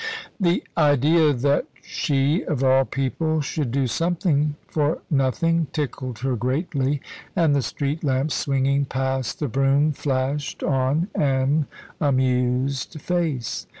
The idea that she, of all people, should do something for nothing, tickled her greatly, and the street lamps swinging past the brougham flashed on an amused face.